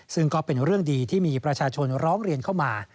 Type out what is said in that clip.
ซึ่งก็เป็นเรื่องดีที่มีประชาชนร้องเรียนเข้ามา